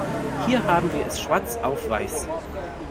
Hier haben wir es schwarz auf weiß.